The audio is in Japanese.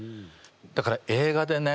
だから映画でね